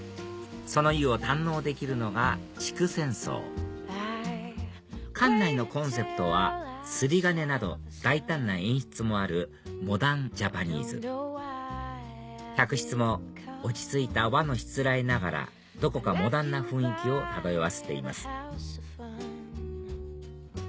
その湯を堪能できるのが竹泉荘館内のコンセプトは釣り鐘など大胆な演出もあるモダンジャパニーズ客室も落ち着いた和のしつらえながらどこかモダンな雰囲気を漂わせています